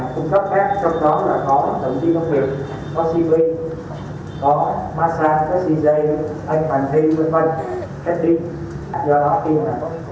thực tế nhu cầu tiêu dùng thịt heo của tp hcm từ trên dưới một mươi con